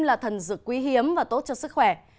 là thần dược quý hiếm và tốt cho sức khỏe